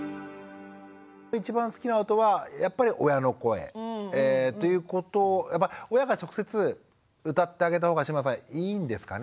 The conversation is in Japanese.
一番好きな音はやっぱり親の声ということやっぱ親が直接歌ってあげたほうが志村さんいいんですかね？